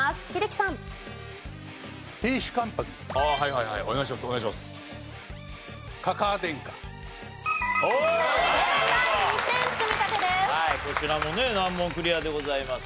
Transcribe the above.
はいこちらもね難問クリアでございます。